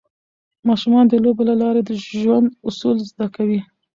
ماشومان د لوبو له لارې د ژوند اصول زده کوي.